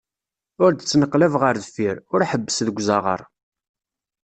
Ur d-ttneqlab ɣer deffir, ur ḥebbes deg uzaɣar.